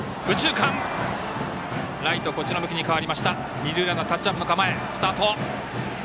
二塁ランナータッチアップの構えからスタート。